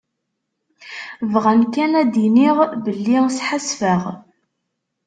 Bɣan kan ad d-iniɣ belli sḥassfeɣ.